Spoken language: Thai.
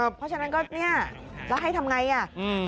เพราะฉะนั้นก็เนี่ยแล้วให้ทำไงอ่ะ